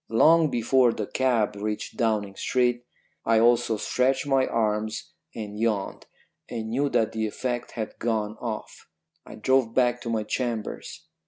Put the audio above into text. Long before the cab reached Downing Street I also stretched my arms and yawned, and knew that the effect had gone off. I drove back to my chambers.